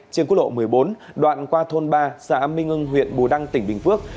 trên quốc lộ một mươi bốn đoạn qua thôn ba xã minh hưng huyện bù đăng tỉnh bình phước